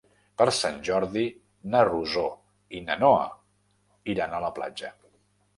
Per Sant Jordi na Rosó i na Noa iran a la platja.